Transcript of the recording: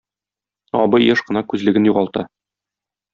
Абый еш кына күзлеген югалта.